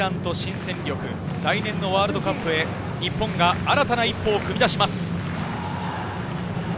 来年のワールドカップへ、日本が新たな一歩を踏み出します。